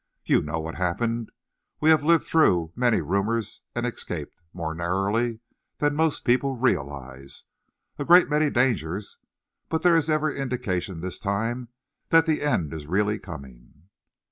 You know what happened. We have lived through many rumours and escaped, more narrowly than most people realise, a great many dangers, but there is every indication this time that the end is really coming."